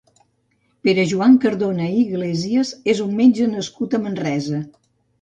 Pere-Joan Cardona i Iglesias és un metge nascut a Manresa.